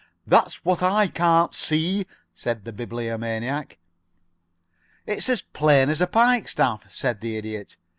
That's what I can't see," said the Bibliomaniac. "It's as plain as a pike staff," said the Idiot.